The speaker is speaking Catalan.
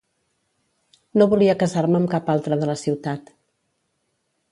No volia casar-me amb cap altre de la ciutat.